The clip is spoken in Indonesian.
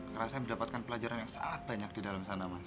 karena saya mendapatkan pelajaran yang sangat banyak di dalam sana mas